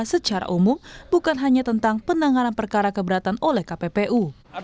secara umum bukan hanya tentang penanganan perkara keberatan oleh kppu